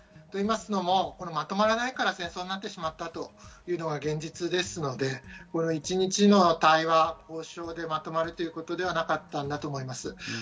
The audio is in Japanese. というのも、まとまらないから戦争になってしまったというのは現実ですので、一日の対話を交渉でまとまるということではなかったんだと思います。